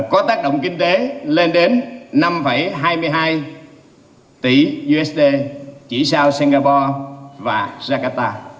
có tác động kinh tế lên đến năm hai mươi hai tỷ usd chỉ sau singapore và jakarta